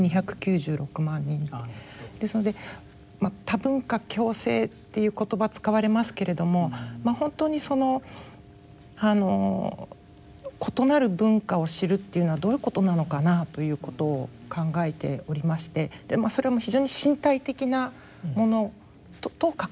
ですので「多文化共生」という言葉使われますけれどもほんとにその異なる文化を知るっていうのはどういうことなのかなということを考えておりましてそれは非常に身体的なものと関わっている。